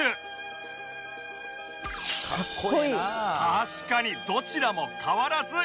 確かにどちらも変わらずかっこいい！